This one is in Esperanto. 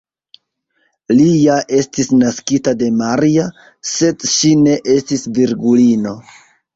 Li ja estis naskita de Maria, sed ŝi ne estis virgulino.